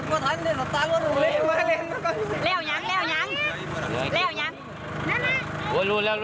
ไปมาเข็มข้าวเคียงได้เห็ดอีก